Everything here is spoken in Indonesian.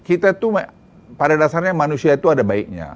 kita tuh pada dasarnya manusia itu ada baiknya